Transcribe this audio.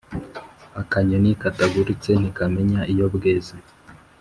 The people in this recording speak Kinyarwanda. Akanyoni katagurutse ntikamenya iyo bweze.